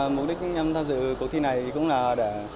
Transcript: mục đích em tham dự cuộc thi này cũng là để